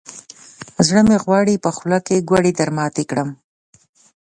زړه مې غواړي، په خوله کې ګوړې درماتې کړم.